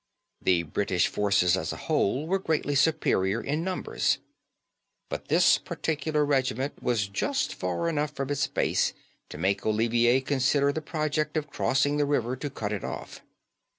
The British forces as a whole were greatly superior in numbers; but this particular regiment was just far enough from its base to make Olivier consider the project of crossing the river to cut it off.